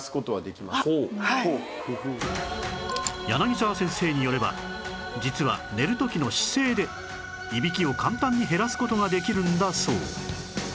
柳沢先生によれば実は寝る時の姿勢でいびきを簡単に減らす事ができるんだそう